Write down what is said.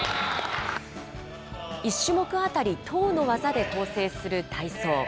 １種目当たり１０の技で構成する体操。